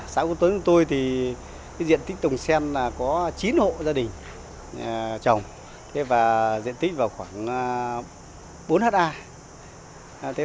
xã quốc tuấn của tôi thì diện tích trồng sen là có chín hộ gia đình trồng và diện tích vào khoảng bốn hectare